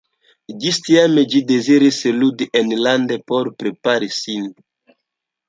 Ĝis tiam ĝi deziris ludi enlande por prepari sin.